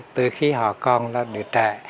từ khi họ con nó được trẻ